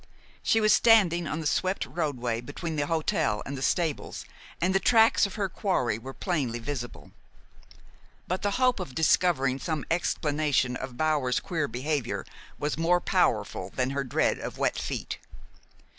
She was standing on the swept roadway between the hotel and the stables, and the tracks of her quarry were plainly visible. But the hope of discovering some explanation of Bower's queer behavior was more powerful than her dread of wet feet.